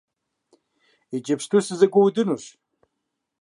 Иджыпсту сызэгуэудынущ!